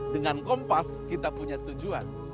dengan kompas kita punya tujuan